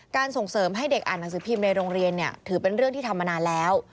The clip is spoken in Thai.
ส่งเสริมให้เด็กอ่านหนังสือพิมพ์ในโรงเรียนเนี่ยถือเป็นเรื่องที่ทำมานานแล้ว